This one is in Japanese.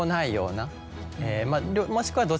もしくは。